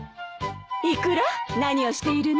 イクラ何をしているの？